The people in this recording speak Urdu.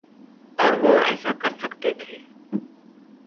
اور وہ ایسا کر سکتے تھے۔